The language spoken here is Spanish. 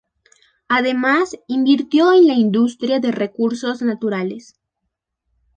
Además invirtió en la industria de recursos naturales.